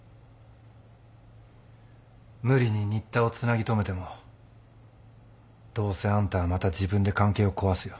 無理に新田をつなぎ留めてもどうせあんたはまた自分で関係を壊すよ。